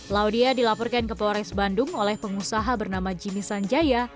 laudia dilaporkan ke polres bandung oleh pengusaha bernama jimmy sanjaya